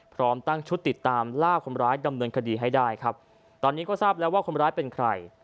พร้อมตั้งชุดติดตามล่าคนร้ายดำเนินคดีให้ได้ครับตอนนี้ก็ทราบแล้วว่าคนร้ายเป็นใคร